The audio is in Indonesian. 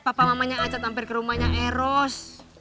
papa mamanya acat hampir ke rumahnya eros